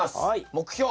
目標。